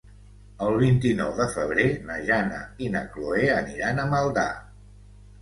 El vint-i-nou de febrer na Jana i na Chloé aniran a Maldà.